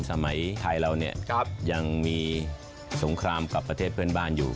สมัยไทยเราเนี่ยยังมีสงครามกับประเทศเพื่อนบ้านอยู่